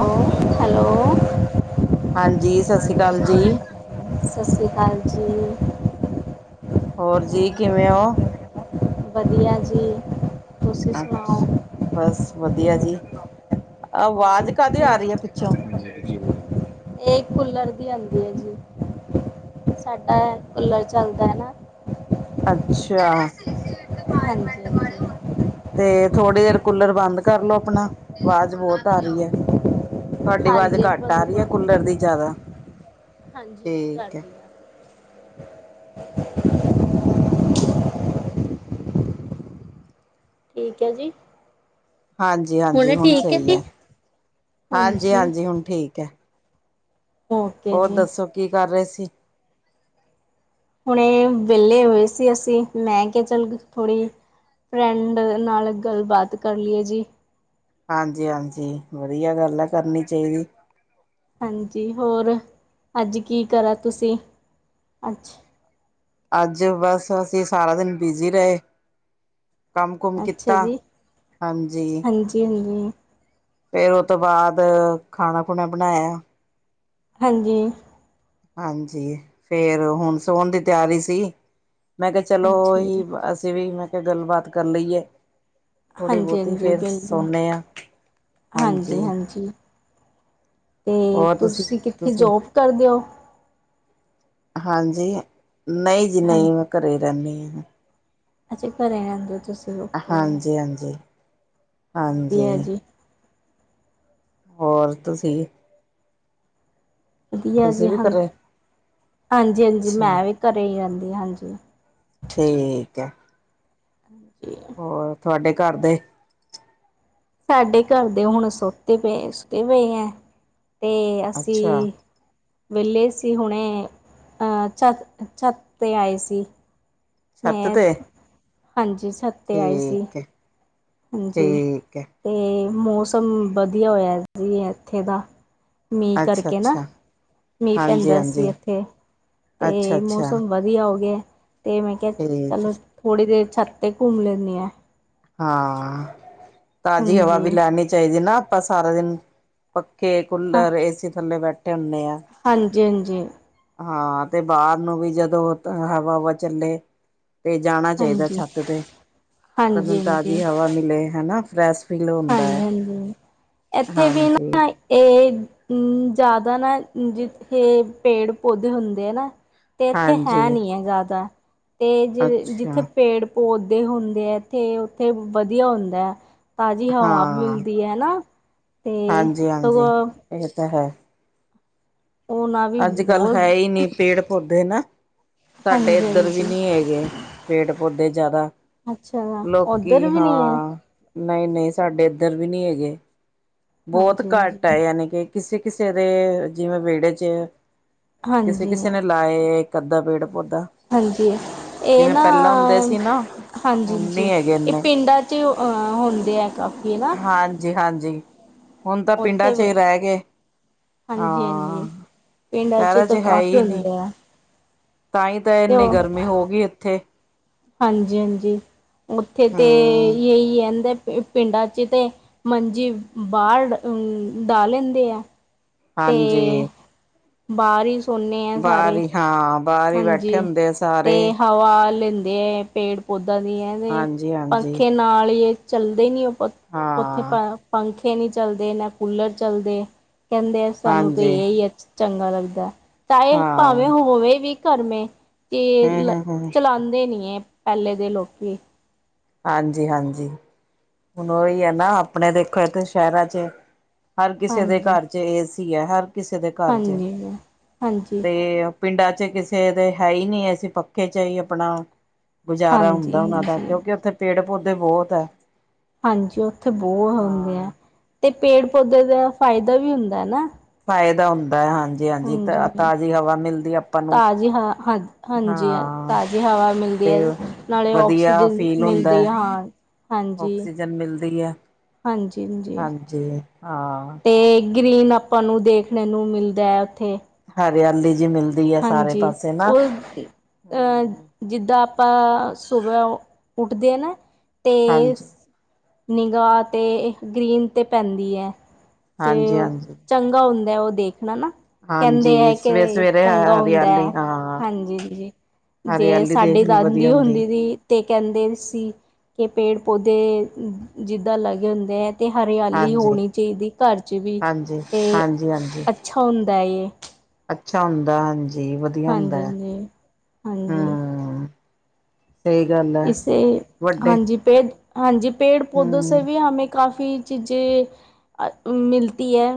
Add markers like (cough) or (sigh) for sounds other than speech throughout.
Hello hello ਹਾਂਜੀ, ਸਤਿ ਸ੍ਰੀ ਅਕਾਲ ਜੀ। ਹਾਂਜੀ ਸਤਿ ਸ਼੍ਰੀ ਅਕਾਲ ਜੀ। ਹੋਰ ਜੀ ਕਿਵੇਂ ਹੋ? ਵੱਧੀਆ ਜੀ। ਤੁਸੀਂ ਅੱਛਾ, ਸੁਣਾਓ ਬਸ ਵੱਧੀਆ ਜੀ, ਅਵਾਜ਼ ਹੋਰ ਕਾਦੀ ਕੀ ਆ ਰਈ ਆ ਪਿੱਛੋ? ਮਿਲਨ ਜੀ ਬੋਲਣ। ਏ ਕੂਲਰ ਦੀ ਆਂਦੀ ਆ ਜੀ, ਸਾਡਾ ਕੂਲਰ ਚੱਲਦਾ ਨਾ ਅੱਛਾ ਹਾਂਜੀ ਹਾਂਜੀ ਤੇ ਥੋੜ੍ਹੀ ਦੇਰ ਕੂਲਰ ਬੰਦ ਕਰਲੋ ਆਪਣਾ, ਵਾਜ਼ ਬੋਤ ਆ ਰਈ ਆ। ਤੁਆਡੀ ਵਾਜ਼ ਹਾਂਜੀ ਘੱਟ ਆ ਰਈ ਬੰਦਾ ਆ, ਕੂਲਰ ਦੀ ਜਾਦਾ। ਹਾਂਜੀ- ਹਾਂਜੀ, ਕਰਦੀ ਆ। ਠੀਕ ਐ ਜੀ। ਹਾਂਜੀ -ਹਾਂਜੀ ਹੁਣੇ ਹੁਣ ਠੀਕ ਹੈ ਸਈ ਜੀ ਆ, ਹਾਂਜੀ -ਹਾਂਜੀ ਹੁਣ ਠੀਕ ਆ। ਓਕੇ ਹੋਰ ਜੀ ਦੱਸੋ ਕੀ ਕਰ ਰਏ ਸੀ? ਹੁਣੇ ਵੇਲੇ ਹੋਏ ਸੀ ਅਸੀਂ, ਮੈਂ ਕੇਆ ਚੱਲ ਥੋੜ੍ਹੀ ਫਰੈਂਡ ਨਾਲ ਗੱਲਬਾਤ ਕਰ ਲਈਏ ਜੀ। ਹਾਂਜੀ- ਹਾਂਜੀ, ਵੱਧੀਆ ਗੱਲ ਆ ਕਰਨੀ ਚਾਈਦੀ। ਹਾਂਜੀ ਹੋਰ ਅੱਜ ਕੀ ਕਰਾ ਤੁਸੀਂ? ਅੱਛਾ ਅੱਜ ਬਸ ਅਸੀਂ ਸਾਰਾ ਦਿਨ ਬਿਜੀ ਰਏ। ਕੰਮ -ਕੁਮ ਅੱਛਾ ਕੀਤਾ, ਜੀ ਹਾਂਜੀ। ਹਾਂਜੀ- ਹਾਂਜੀ। ਫੇਰ ਓਤੋਂ ਬਾਦ ਖਾਣਾ -ਖੁਣਾ ਬਣਾਇਆ। ਹਾਂਜੀ। ਹਾਂਜੀ, ਫੇਰ ਹੁਣ ਸੋਣ ਦੀ ਤਿਆਰੀ ਸੀ। ਮੈਂ ਕੇਆ ਚਲੋ ਅੱਛਾ ਓਹੀ, ਜੀ ਅਸੀਂ ਵੀ ਮੈਂ ਕੇਆ ਗੱਲਬਾਤ ਕਰ ਲਈਏ। ਥੋੜ੍ਹੀ- ਹਾਂਜੀ ਬੋਤੀ, ਹਾਂਜੀ ਫੇਰ ਬਿਲਕੁਲ ਸੋਣੇ ਆ ਹਾਂਜੀ। ਤੇ ਹੋਰ ਤੁਸੀਂ ਕਿੱਥੇ ਤੁਸੀਂ ਜੋਬ ਕਰਦੇ ਓ? ਹਾਂਜੀ, ਨਈ ਜੀ ਨਈ ਮੈਂ ਘਰੇ ਰੈਣੀ ਆ। ਅੱਛਂ ਘਰੇ ਰੈਂਦੇ ਓ ਤੁਸੀਂ। ਹਾਂਜੀ -ਹਾਂਜੀ। ਵੱਧੀਆ ਹਾਂਜੀ ਜੀ। ਹੋਰ ਤੁਸੀਂ? ਵਧੀਆ ਤੁਸੀਂ ਜੀ ਵੀ ਹਾਂ ਘਰੇ ਹਾਂਜੀ-ਹਾਂਜੀ ਅੱਛਾ ਮੈਂ ਵੀ ਘਰੇ ਈ ਰੈਂਦੀ ਹਾਂਜੀ। ਠੀਕ ਐ। (inaudible) ਹੋਰ ਤੁਹਾਡੇ ਘਰ ਦੇ? ਸਾਡੇ ਘਰ ਦੇ ਹੁਣ ਸੋਤੇ ਪਏ ਸੁਤੇ ਪਏ ਐ ਤੇ ਅੱਛਾ ਅਸੀਂ ਵੇਲੇ ਸੀ ਹੁਣੇ ਅ ਛੱਤ-ਛੱਤ ਤੇ ਆਏ ਸੀ। ਛੱਤ ਮੈਂ ਤੇ ਹਾਂਜੀ ਛੱਤ 'ਤੇ ਆਏ ਸੀ ਠੀਕ ਐ। ਹਾਂਜੀ ਤੇ ਮੌਸਮ ਵਧੀਆ ਹੋਇਆ ਜੀ ਐਥੇ ਦਾ। ਮੀਂਹ ਕਰਕੇ ਨਾ ਅੱਛਾ-ਅੱਛਾ, ਮੀਂਹ ਪੈਂਦਾ ਹਾਂਜੀ-ਹਾਂਜੀ, ਸੀ ਇੱਥੇ ਤੇ ਅੱਛਾ-ਅੱਛਾ ਮੌਸਮ ਵੱ ਧੀਆ ਹੋ ਗਿਆ ਤੇ ਮੈਂ ਕਿਆ ਠੀਕ ਚਲੋ ਥੋੜ੍ਹੀ ਦੇਰ ਛੱਤ ਤੇ ਘੁੰਮ ਲੈਂਨੀ ਐ। ਹਾਂ ਤਾਜ਼ੀ ਹਵਾ ਹਾਂਜੀ ਵੀ ਲੈਣੀ ਚਾਈਦੀ ਨਾ ਆਪਾਂ ਸਾਰਾ ਦਿਨ ਪੱਖੇ, ਕੂਲਰ, ਏਸੀ ਥੱਲੇ ਬੈਠੇ ਹੁੰਨੇ ਆ। ਹਾਂਜੀ-ਹਾਂਜੀ ਹਾਂ ਤੇ ਬਾਰ ਨੂੰ ਵੀ ਜਦੋਂ ਹਵਾ ਹੁਵਾ ਚੱਲੇ ਤੇ ਜਾਣਾ ਚਾਈਦਾ ਹਾਂਜੀ ਛੱਤ ਤੇ ਬੰਦੇ ਹਾਂਜੀ ਨੂੰ ਹਾਂਜੀ ਤਾਜ਼ੀ ਹਵਾ ਮਿਲੇ ਹਨਾ ਫਰੈਸ਼। ਫੀਲ ਹੁੰਦਾ ਐ। ਹਾਂਜੀ-ਹਾਂਜੀ ਏਥੇ ਵੀ ਹਾਂਜੀ, ਨਾ ਏ ਜਾਦਾ ਨਾ ਜਿੱਥੇ ਪੇੜ-ਪੌਦੇ ਹੁੰਦੇ ਆ ਨਾ ਤੇ ਏਥੇ ਹੈ ਹਾਂਜੀ, ਨੀ ਐ ਜਾਦਾ ਤੇ ਜ ਅੱਛਾ ਜਿੱਥੇ ਪੇੜ ਪੌਦੇ ਹੁੰਦੇ ਐ ਤੇ ਉੱਥੇ ਵਧੀਆ ਹੁੰਦੈ। ਤਾਜ਼ੀ ਹਵਾ ਹਾਂ। ਮਿਲਦੀ ਐ ਨਾ ਤੇ ਸਗੋਂ ਏ ਤਾਂ ਹੈ। ਉਹਨਾਂ ਵੀ ਅੱਜ ਕੱਲ ਬਹੁਤ ਹੈ ਈ ਨੀ ਪੇਡ-ਪੌਦੇ ਨਾ। ਸਾਡੇ ਇੱਧਰ ਵੀ ਹਾਂਜੀ-ਹਾਂਜੀ ਨੀ ਹੈਗੇ ਪੇੜ-ਪੌਦੇ ਜਾਦਾ। ਅੱਛਾ ਉੱਧਰ ਲੋਕੀ ਵੀ ਨਹੀਂ ਹੈ ਹਾਂ ਨਈ-ਨਈ ਸਾਡੇ ਇੱਧਰ ਵੀ ਨੀ ਹੈਗੇ। ਬੋਤ ਹਾਂਜੀ-ਹਾਂਜੀ ਘੱਟ ਐ ਯਾਨੀ ਕੇ ਕਿਸੇ-ਕਿਸੇ ਦੇ ਜਿਵੇਂ ਵੇੜੇ ਚ ਹਾਂਜੀ ਕਿਸੇ-ਕਿਸੇ ਨੇ ਲਾਏ ਇੱਕ-ਅੱਧਾ ਪੇਂਡ-ਪੌਧਾ। ਹਾਂਜੀ ਏ ਨਾ ਸੀ ਨਾ ਹੁਣ ਹਾਂਜੀ-ਹਾਂਜੀ ਨੀ ਹੈਗੇ ਏ ਇੰਨੇ ਪਿੰਡਾਂ ਚ ਅ ਹੁੰਦੇ ਐ ਕਾਫ਼ੀ ਹੈਨਾ। ਹਾਂਜੀ-ਹਾਂਜੀ ਹੁਣ ਤਾਂ ਪਿੰਡਾਂ ਚ ਈ ਰੈਗੇ। ਹਾਂਜੀ-ਹਾਂਜੀ ਪਿੰਡਾਂ ਚ ਤ ਕਾਫ਼ੀ ਹੁੰਦੇ ਆ। ਤਾਈਂ ਤੇ ਇੰਨੀ ਗਰਮੀ ਹੋਗੀ ਏਥੇ। ਹਾਂਜੀ-ਹਾਂਜੀ ਉੱਥੇ ਤੇ' ਹਮ (unintelligible) ਪਿੰਡਾਂ ਚ ਤੇ ਮੰਜੀ ਬਾੜ ਊ ਡਾਹ ਲੈਂਦੇ ਆ। ਤੇ ਹਾਂਜੀ ਬਾਰੀ ਬਾਰੀ ਹਾਂ। ਬਾਹਰ ਹੀ ਹਾਂਜੀ ਬੈਠੇ ਹੁੰਦੇ ਆ ਤੇ ਸਾਰੇ ਹਵਾ ਲੈਂਦੇ ਪੇਂਡ ਪੌਦਾ ਦੀ ਐਵੇ ਹਾਂਜੀ ਹਾਂਜੀ ਪੰਖੇ ਨਾਲ ਈ ਚੱਲਦੇ ਨੀ ਓ ਪਖ ਹਾਂ‌। ਖ਼ੇ ਪੰਖੇ ਨੀ ਚੱਲਦੇ, ਨਾ ਕੂਲਰ ਚੱਲਦੇ ਕੈਂਦੇ ਆ ਸਾਨੂੰ ਤੇ ਹਾਂਜੀ ਏ ਈ ਅ ਚੰਗਾ ਲੱਗਦੈ ਚਾਏ ਹਾਂ ਭਾਵੇਂ ਹੋਵੇਂ ਵੀ ਘਰ ਮੇਂ ਤੇ ਹਮ ਲ ਹਮ ਹਮ ਚਲਾਂਦੇ ਨੀ ਐ ਪੈਲੇ ਦੇ ਲੋਕੀ। ਹਾਂਜੀ-ਹਾਂਜੀ। ਹੁਣ ਓਈ ਐ ਨਾ ਆਪਣੇ ਦੇਖੋ ਐ ਥੇ ਸ਼ੈਰਾਂ ਚ ਹਰ ਕਿਸੇ ਦੇ ਹਾਂਜੀ ਘਰ ਤੇ ਏ-ਸੀ ਆ ਹਰ ਕਿਸੇ ਦੇ ਘਰ ਚ ਹਾਂਜੀ ਹਾਂਜੀ ਹਾਂਜੀ ਤੇ ਪਿੰਡਾਂ ਚ ਕਿਸੇ ਦੇ ਹੈ ਈ ਨੀ ਅਸੀ ਪੱਕੇ ਚ ਈ ਆਪਣਾ ਗੁਜ਼ਾਰਾ ਹਾਂਜੀ ਹੁੰਦਾ ਉਨਾਂ ਦਾ ਕਿਉਂਕਿ ਓਥੇ ਪੇੜ-ਪੌਦੇ ਬੌਤ ਐ। ਹਾਂਜੀ ਓਥੇ ਬੋਅ ਹੁੰਦੇ ਆ ਹਾਂ ਤੇ ਪੇੜ ਪੌਦੇ ਦਾ ਫ਼ਾਇਦਾ ਵੀ ਹੁੰਦਾ ਐ ਨਾ। ਫ਼ਾਇਦਾ ਹੁੰਦਾ ਹਾ ਹਾਂਜੀ ਨੂੰ ਤਾਜ਼ੀ ਹਵਾ ਹਾਂ ਹ, ਹਾਂਜੀ ਆ, ਹਾਂ ਤਾਜ਼ੀ ਹਵਾ ਮਿਲਦੀ ਤੇ ਏਜੀ। ਨਾਲੇ ਵਧੀਆ ਔਕਸੀਜਨ ਫੀਲ ਹੁੰਦਾ ਮਿਲਦੀ ਆ ਹੈ, ਹਾਂ, ਹਾਂਜੀ। ਆਕਸੀਜਨ ਮਿਲਦੀ ਐ। ਹਾਂਜੀ-ਅਂਜੀ। ਜਿੰਨੇ, ਹਾਂ। ਤੇ ਗ੍ਰੀਨ ਆਪਾਂ ਨੂੰ ਦੇਖਨੇ ਨੂੰ ਮਿਲਦਾ ਏ, ਓਥੇ। ਹਰਿਆਲੀ ਜੀ ਮਿਲਦੀ ਐ ਸਾਰੇ ਪਾਸੇ ਨਾ। ਅ, ਜਿੱਦਾਂ ਆਪਾਂ ਸੁਬਹ ਉੱਠਦੇ ਆ ਨਾ। ਤੇਸ ਹਾਂਜੀ, ਨਿਗ੍ਹਾ ਤੇ ਗ੍ਰੀਨ ਤੇ ਪੈਂਦੀ ਐ। ਤੇ ਹਾਂਜੀ, ਹਾਂਜੀ। ਚੰਗਾ ਹੁੰਦਾ ਐ ਓ ਦੇਖਨਾ ਨਾ। ਕੈਂਦੇ ਹਾਂਜੀ ਐ ਸਵੇ ਕਿ ਸਵੇਰੇ ਚੰਗਾ ਹੁੰਦਾ ਐ ਹਰਿਆਲੀ ਹਾਂ ਹਾਂਜੀ-ਜੀ, ਜੇ ਹਰਿਆਲੀ ਸਾਡੀ ਦੇਖਣੀ ਵਧੀਆ ਦਾਂਦੀ ਹੁੰਦੀ ਦੀ ਤੇ ਕੈਂਦੇ ਵੀ ਸੀ ਕੇ ਪੇੜ-ਪੌਦੇ ਜਿੱਦਾਂ ਲਗੇ ਹੁੰਦੇ ਐ ਤੇ ਹਰਿਆਲੀ ਹਾਂਜੀ, ਹੋਣੀ ਚਾਈਦੀ ਘਰ 'ਚ ਵੀ ਹਾਂਜੀ, ਤੇ ਹਾਂਜੀ, ਹਾਂਜੀ। ਅੱਛਾ ਹੁੰਦਾ ਏ। ਅੱਛਾ ਹੁੰਦਾ, ਹਾਂਜੀ ਵਧੀਆ ਹੁੰਦਾ ਹਾਂਜੀ ਐ, ਹਾਂਜੀ ਹਾਂਜੀ ਹੁੰ। ਸਈ ਗੱਲ। ਇਸੇ ਵੱਡੇ ਹਾਂਜੀ ਪੇੜ, ਹਾਂਜੀ ਪੇੜ-ਪੌਦੋ ਸੇ ਹਮ ਵੀ ਹਮੇ ਕਾਫ਼ੀ ਚੀਜੇ਼ ਅ, ਮਿਲਤੀ ਐ।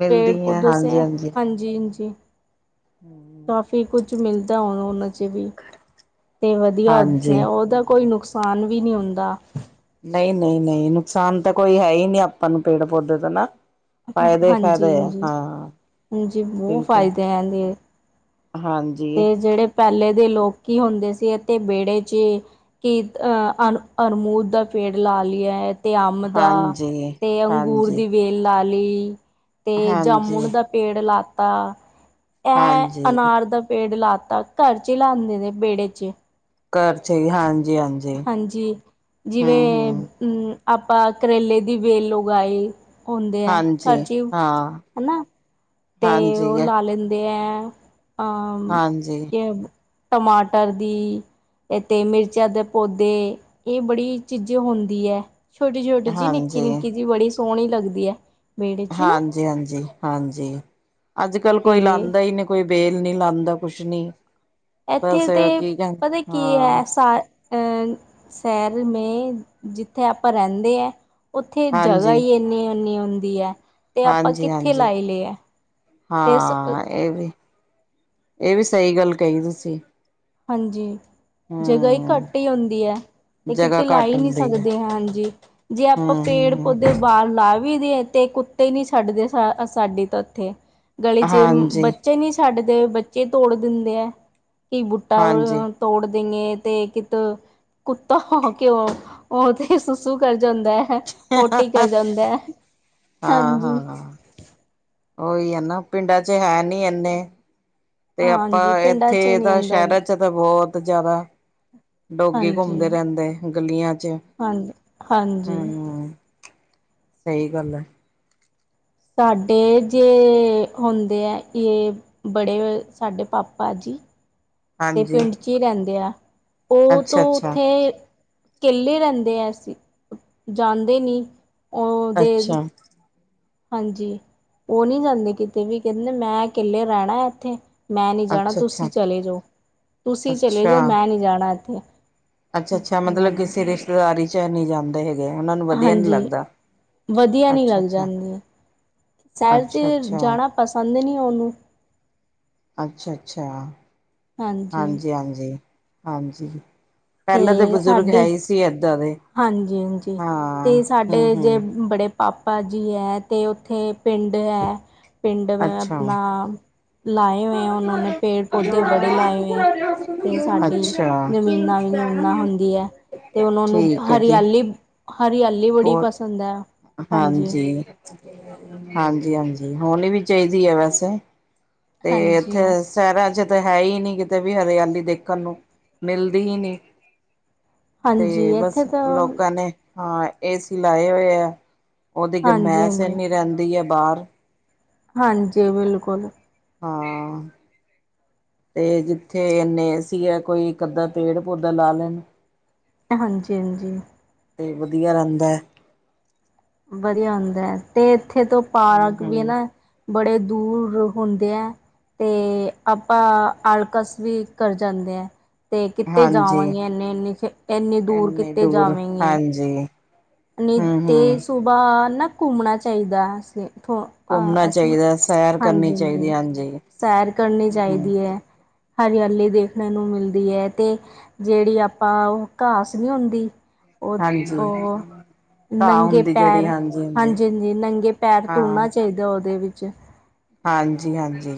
ਮਿਲਦੀ ਹੈ ਪੇੜ-ਪੌਦੋ ਸੇ ਹਾਂਜੀ, ਹਾਂਜੀ, ਹਾਂਜੀ-ਇੰਜੀ। ਕਾਫ਼ੀ ਕੁੱਛ ਮਿਲਦਾ ਹੁਣ ਓਨਾਂ 'ਚ ਵੀ ਤੇ ਵਧੀਆ ਹਾਂਜੀ। ਓਦਾ ਕੋਈ ਨੁਕਸ ਖਾਨ ਵੀ ਨੀ ਹੁੰਦਾ। ਨਈ -ਨਈ -ਨਈ ਨੁਕਸਾਨ ਤਾ ਕੋਈ ਹੈ ਈ ਨੀ ਆਪਾਂ ਨੂੰ ਪੇੜ-ਪੌਦੇ ਤੋ ਨਾ। ਫ਼ਾਇਦੇ- ਫੈਦੇ ਹਾਂਜੀ ਐ ਹਾਂਜੀ ਹਾਂ, ਹਾਂਜੀ ਬਹੁਤ ਬਿਲਕੁਲ। ਫਾਇਦੇ ਹੈ ਇਹਦੇ ਹਾਂਜੀ। ਪੈਲੇ ਦੇ ਲੋਕੀ ਹੁੰਦੇ ਸੀ ਏਥੇ ਵੇੜੇ 'ਚ ਕਿਰਤ ਅ, ਅਣ, ਅਰਮੂਦ ਦਾ ਪੇੜ ਲਾ ਲੀਆ ਏ। ਤੇ ਅੰਬ ਦਾ ਹਾਂਜੀ ਤੇ ਅੰਗੂਰ ਹਾਂਜੀ ਦੀ ਵੇ ਲਾ ਲੀ ਤੇ ਜਾਮੁਣ ਹਾਂਜੀ ਦਾ ਪੇੜ ਲਾਤਾ। ਐ ਹਾਂਜੀ ਅਨਾਰ ਦਾ ਪੇੜ ਲਾ ਤਾ ਘਰ ਚੀ ਲਾਂਦੇ ਨੇ ਵੇੜੇ ਚ। ਘਰ ਚਈ ਹਾਂਜੀ, ਹਾਂਜ। ਹਾਂਜੀ ਜਿਵੇਂ ਉਂ ਆਪਾਂ ਕਰੇਲੇ ਦੀ ਵੇਲ ਉਗਾਾਈ ਹੁੰਦੇ ਐ ਹਾਂਜੀ ਘਰ ਚੀ ਹਾਂ ਹਨਾ। ਤੇ ਹਾਂਜੀ ਓ ਲਾ ਲੈਂਦੇ ਐ ਅਹ ਹਾਂਜੀ ਕਿ ਟਮਾਟਰ ਦੀ ਏਤੇ ਮਿਰਚਾਂ ਦੇ ਪੌਦੇ ਏ ਬੜੀ ਚੀਜੇ ਹੋਂਦੀ ਐ। ਛੋਟੀ, ਛੋਟੀ ਜਿ ਨਿੱਕੀ ਹਾਂਜੀ ਨਿੱਕੀ ਜਿ ਬੜੀ ਸੋਣੀ ਲੱਗਦੀ ਐ ਵੇੜੇ ਚ ਨਾ। ਜੀ ਹਾਂਜੀ, ਹਾਂਜੀ ਅੱਜ ਕੱਲ ਕੋਈ ਅਤੇ ਲਾਂਦਾ ਈ ਨਈ ਕੋਈ ਵੇਲ ਨੀ ਲਾਂਦਾ ਕੁਛ ਨੀ। ਏਥੇ ਬਸ ਤੇ ਕੀ ਕਹਿੰ ਪਤਾ ਕੀ ਆ ਹਾਂ ਸਾ ਅ ਸੈਅਰ ਮੇ ਜਿੱਥੇ ਆਪਾਂ ਰੈਂਦੇ ਐ। ਉੱਥੇ ਜਗ੍ਹਾ ਹਾਂਜੀ ਈ ਏਨੀ ਓਨੀ ਹੁੰਦੀ ਆ। ਹਾਂਜੀ, ਹਾਂਜੀ ਤੇ ਸ ਹਾਂ ਏ ਵੀ ਇਹ ਵੀ ਸਹੀ ਗੱਲ ਕਹੀ ਤੁਸੀ। ਹਾਂਜੀ, ਜਗ੍ਹਾ ਈ ਹੂੰ ਘੱਟੀ ਹੁੰਦੀ ਐ। ਤੇ ਕਿਤੇ ਜਗ੍ਹਾ ਲਾਈ ਘੱਟ ਨਈਂ ਹੁੰਦੀ ਹੈ ਸਕਦੇ ਹਾਂਜੀ। ਜੇ ਆਪਾਂ ਪੇੜ ਹੂੰ ਪੌਦੇ ਬਾਹਰ ਲਾ ਵੀ ਦੇਏ ਤੇ, ਕੁੱ ਨ ਛੱਡਦੇ ਸਾਡੀ ਤਾਂ ਉੱਥੇ, ਗਲੀ ਚ ਹਾਂਜੀ ਬੱਚੇ ਨੀ ਛੱਡਦੇ ਬੱਚੇ ਤੋੜ ਦਿੰਦੇ ਐ, ਕਿ ਬੂਟਾ ਹਾਂਜੀ ਤੋੜ ਦੇਈਂਏ, ਤੇ ਕਿਤ ਕੁੱਤਾ ਕੇਉ ਉਹ ਤੇ ਸੁਸੂ ਕਰ ਜਾਂਦੈ। ਪੋਟੀ ਕਰ ਜਾਂਦੈ। ਹਾਂ ਹਾਂ ਹਾਂ ਓਈ ਹੈ ਨਾ, ਪਿੰਡਾਂ ਚ ਹੈ ਨੀ ਇਨੇ। ਤੇ ਹਾਂਜੀ ਆਪਾਂ ਪਿੰਡਾਂ 'ਚ ਇੱਥੇ ਨਹੀਂ ਤਾਂ ਅੰਦਰ ਸ਼ਹਿਰਾਂ ਚ ਤਾਂ ਬਹੁਤ ਜ਼ਿਆਦਾ। ਡੋਗੀ ਹਾਂਜੀ ਘੁੰਮਦੇ ਰਹਿੰਦੇ ਗਲੀਆਂ ਚ, ਹਾਂਜੀ ਹਾਂਜੀ ਹਮ। ਸਹੀ ਗੱਲ ਐ। ਸਾਡੇ ਜੇ ਹੁੰਦੇ ਐ, ਇਹ ਬੜੇ ਸਾਡੇ ਪਾਪਾ ਜੀ। ਤੇ ਹਾਂਜੀ ਪਿੰਡ ਚ ਹੀ ਰਹਿੰਦੇ ਆ, ਉਹ ਤੋਂ ਅੱਛਾ ਅੱਛਾ ਉੱਥੇ ਕੇੱਲੇ ਰੈਂਦੇ ਐ ਅਸੀਂ, ਜਾਂਦੇ ਨੀਂ। ਅੱਛਾ। ਹਾਂਜੀ, ਓ ਨੀਂ ਜਾਂਦੇ ਕਿਤੇ ਵੀ ਕਹਿੰਦੇ ਮੈਂ ਕੇੱਲੇ ਰਹਿਣਾ ਇੱਥੇ। ਮੈਂ ਨੀਂ ਜਾਣਾ ਅੱਛਾ ਅੱਛਾ ਤੁਸੀਂ ਚਲੇ ਜਾਓ, ਤੁਸੀਂ ਚਲੇ ਜਾਓ ਅੱਛਾ ਮੈਂ ਨੀਂ ਰੈਣਾ ਇੱਥੇ। ਅੱਛਾ ਅੱਛਾ ਮੈਂ ਮਤਲਬ ਨਹੀਂ ਕਿਸੇ ਰਿਸ਼ਤੇਦਾਰੀ ਚ ਨੀ ਜਾਂਦੇ ਹ ਹਾਂਜੀ ਵਧੀਆ ਨੀਂ ਲੱਗ ਅੱਛਾ-ਅੱਛਾ, ਜਾਂਦੀ। ਸ਼ਹਿਰ ਚ ਅੱਛਾ-ਅੱਛਾ, ਜਾਣਾ ਪਸੰਦ ਨੀਂ ਉਹਨੂੰ। ਅੱਛਾ-ਅੱਛਾ, ਹਾਂਜੀ- ਹਾਂਜੀ, ਹਾਂਜੀ। ਪਹਿਲਾਂ ਤਾਂ ਬਜ਼ੁਰਗ ਹੈ ਈ ਸੀ ਇਏਦਾਂ ਦੇ। ਹਾਂਜੀ-ਹਾਂਜੀ, ਹਾਂ। ਤੇ ਸਾਡੇ ਹੂੰ-ਹੂੰ, ਜੇ ਬੜੇ ਪਾਪਾ ਜੀ ਐ, ਤੇ ਉੱਥੇ ਪਿੰਡ ਐ ਪਿੰਡ ਅਪਣਾ। ਲਾਏ ਹੋਏਂ ਏਂ ਉਹਨਾਂ ਨੇ ਪੇੜ ਪੋਦੇ ਬੜੇ ਲਾਏ ਹੋਏਂ ਏਂ, ਤੇ ਸਾਡੀ ਅੱਛਾ-ਅੱਛਾ, ਜ਼ਮੀਨਾਂ ਹੁੰਦੀ ਹੈ ਤੇ ਉਹ ਨੂੰ ਠੀਕ ਹੈ ਜੀ। ਹਰਿਆਲੀ (unintelligible) ਬੜੀ ਬਹੁਤ ਪਸੰਦ ਆ, ਹਾਂਜੀ। ਹਾਂਜੀ-ਹਾਂਜੀ, ਹੋਣੀ ਵੀ ਚਾਹੀਦੀ ਐ ਵੈਸੇ, ਤੇ ਇੱਥੇ ਹਾਂਜੀ ਸ਼ਹਿਰਾਂ ਚ ਤਾਂ ਹੈ ਹੀ ਨ ਕਿਤੇ ਵੀ ਹਰਿਆਲੀ ਦੇਖਣ ਨੂੰ, ਮਿਲਦੀ ਹੀ ਨੀਂ। ਹਾਂਜੀ ਤੇ ਬਸ ਇੱਥੇ ਤਾਂ ਲੋਕਾਂ ਨੇ। ਹਾਂ ਏਸੀ ਲਾਏ ਹੋਏ ਆ, ਉਹਦੀ ਹਾਂਜੀ ਗਰਮੈਸ ਹਾਂਜੀ ਇਨੀ ਰਹਿੰਦੀ ਐ ਬਾਹਰ। ਹਾਂਜੀ ਬਿਲਕੁਲ। ਹਾਂ‌। ਤੇ ਜਿੱਥੇ ਇੰਨੇ ਏ ਸੀ ਐ, ਕੋਈ ਇੱਕ ਅੱਧਾ ਪੇੜ ਪੌਦਾ ਲਾ ਲੈਣ। ਹਾਂਜੀ -ਹਾਂਜੀ। ਤੇ ਵਧੀਆ ਰੈੰਦੈ। ਵਧੀਆ ਹੁੰਦਾ ਐ, ਤੇ ਇੱਥੇ ਤੋਂ ਹਮ ਪਾਰਕ ਵੀ ਹਮ ਨਾ। ਬੜੇ ਦੂਰ ਹੁੰਦੇ ਐ। ਤੇ ਆਪਾਂ ਆਲਕਸ ਵੀ ਘਰ ਜਾਂਦੇ ਐ। ਤੇ ਕਿੱਤੇ ਹਾਂਜੀ ਜਾਵਾਂਗੇ, ਇੰਨੀੇ -ਇੰਨੀ -ਇੰਨੀ ਦੂਰ ਕਿੱਤੇ ਦੂਰ ਜਾਵੇਂਗੀ। ਹਾਂਜੀ ਨਹੀਂ ਹਮ ਹਮ ਤੇ ਸੁਬਾਹ, ਨਾ ਘੁੰਮਣਾ ਚਾਹੀਦਾ ਅ ਸ ਹਾਂ ਘੁੰਮਣਾ ਅਸੀਂ ਚਾਹੀਦਾ ਸੈਰ ਕਰਨੀ ਹਾਂਜੀ -ਹਾਂਜੀ, ਚਾਹੀਦੀ ਸੈਰ ਕਰਨੀ ਹਮ ਚਾਹੀਦੀ ਐ। ਹਰਿਆਲੀ ਦੇਖਣ ਨੂੰ ਮਿਲਦੀ ਹੈ ਤੇ ਜਿਹੜੀ ਆਪਾਂ ਉ ਘਾਸ ਨਹੀਂ ਹੁੰਦੀ ਉਹ ਹਾਂਜੀ। ਉਹ ਘਾਹ ਨੰਗੇ ਹੁੰਦੀ ਜਿਹੜੀ ਪੈਰ ਹਾਂਜੀ -ਹਾਂਜੀ ਨੰਗੇ ਪੈਰ ਤੋਣਾ ਹਾਂ ਚਾਹੀਦਾ, ਉਹਦੇ ਵਿੱਚ। ਹਾਂਜੀ -ਹਾਂਜੀ,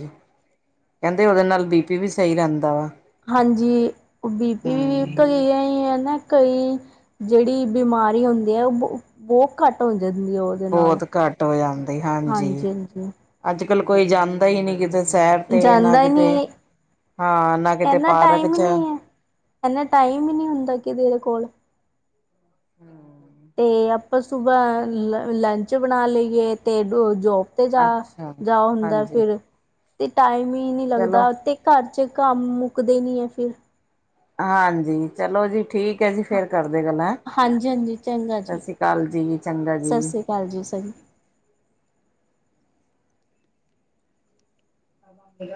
ਕਹਿੰਦੇ ਉਹਦੇ ਨਾਲ ਬੀ ਪੀ ਵੀ ਸਹੀ ਰਹਿੰਦਾ ਵਾ। ਹਾਂਜੀ, ਉਹ ਬੀ ਪੀ ਵੀ ਹਮ ਗਈ ਹੈ ਹੈ ਨਾ। ਕਈ ਜਿਹੜੀ ਬਿਮਾਰੀ ਹੁੰਦੀ ਹੈ ਉਹ ਬਹੁਤ ਘੱਟ ਹੋ ਜਾਂਦੀ ਆ, ਉਹਦੇ ਨਾਲ ਬਹੁਤ ਘੱਟ ਹੋ ਜਾਂਦੀ ਹਾਂਜੀ- ਹਾਂਜੀ। ਅੱਜ -ਕੱਲ ਕੋਈ ਜਾਣਦਾ ਹੀ ਨਹੀਂ ਕਿਤੇ। ਸ਼ੈਰ ਤੇ ਨਾ ਜਾਂਦਾ ਹੀ ਕਿਤੇ ਨਹੀਂ ਹਾਂ ਨਾ ਕਿਤੇ ਪਾਰਕ ਚ‌। ਇਨਾ ਟਾਈਮ ਹੀ ਨਹੀਂ ਹੁੰਦਾ ਕਿਰੇ ਕੋਲ। ਤੇ ਆਪਾਂ ਸੁਬਾਹ ਲ ਲੰਚ ਬਣਾ ਲਈਏ ਤੇ ਜੋ ਤੇ ਜਾ ਅੱਛਾ -ਜਾ ਹੁੰਦਾ, ਹਾਂਜੀ ਫਿਰ ਤੇ ਟਾਈਮ ਹੀ ਨਹੀਂ ਚਲੋ ਲੱਗਦਾ ਤੇ ਘਰ ਚ ਕੰਮ ਮੁੱਕਦੇ ਨੀ ਹੈ ਫਿਰ। ਹਾਂਜੀ। ਚਲੋ ਜੀ ਠੀਕ। ਠ ਜੀ ਫੇਰ ਕਰਦੇ, ਗੱਲਾਂ ਹਾਂਜੀ ਹਾਂਜੀ ਚੰਗਾ ਸਤਿ ਸ੍ਰੀ ਅਕਾਲ ਜੀ ਚੰਗਾ ਜੀ। ਚੱਲ ਜੀ ਸ ਜ। ਵੇ।